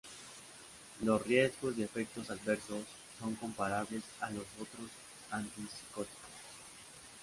Los riesgos y efectos adversos son comparables a los de otros antipsicóticos.